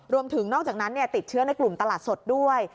รวมถึงนอกจากนั้นติดเชื้อในกลุ่มตลาดสดด้วย